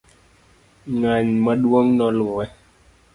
ng'ang' maduong' noluwe